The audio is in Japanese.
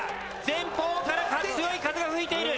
前方から強い風が吹いている。